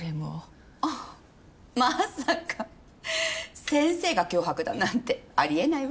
あっまさか先生が脅迫だなんてあり得ないわ。